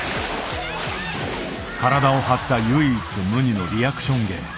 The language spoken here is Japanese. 体を張った唯一無二のリアクション芸。